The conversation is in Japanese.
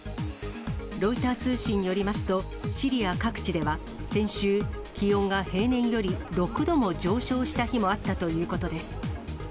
ロイター通信によりますと、シリア各地では先週、気温が平年より６度も上昇した日もあったということです。